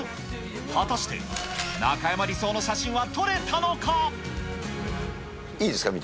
果たして中山理想の写真は撮れたいいですか、見て。